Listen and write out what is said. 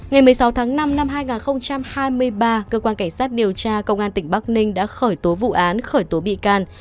ngày một mươi sáu tháng năm năm hai nghìn hai mươi ba cơ quan cảnh sát điều tra công an tỉnh bắc ninh đã khởi tố vụ án khởi tố bị can